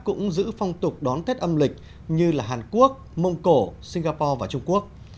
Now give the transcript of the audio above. cũng giữ phong tục đón tết âm lịch như hàn quốc mông cổ singapore và trung quốc